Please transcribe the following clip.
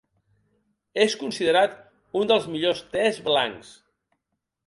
És considerat un dels millors tes blancs.